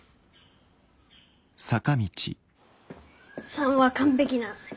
「３」は完璧なのに！